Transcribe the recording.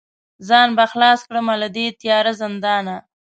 ځان به خلاص کړمه له دې تیاره زندانه